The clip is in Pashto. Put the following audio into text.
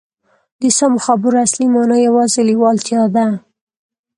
د سمو خبرو اصلي مانا یوازې لېوالتیا ده